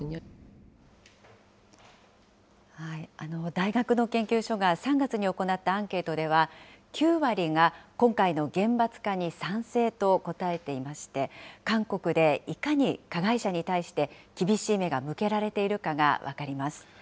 大学の研究所が３月に行ったアンケートでは、９割が今回の厳罰化に賛成と答えていまして、韓国でいかに加害者に対して、厳しい目が向けられているかが分かります。